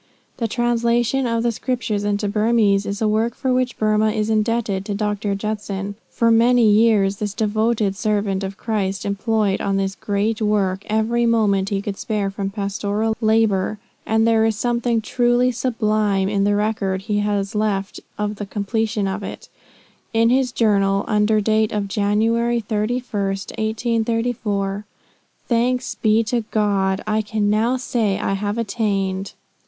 The translation of the Scriptures into Burmese is a work for which Burmah is indebted to Dr. Judson For many years this devoted servant of Christ employed on this great work every moment he could spare from pastoral labor; and there is something truly sublime in the record he has left of the completion of it, in his Journal under date of Jan. 31, 1834: "Thanks be to god, I can now say, I have attained!